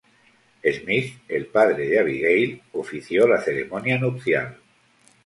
Smith, el padre de Abigail, ofició la ceremonia nupcial.